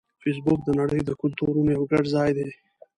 فېسبوک د نړۍ د کلتورونو یو ګډ ځای دی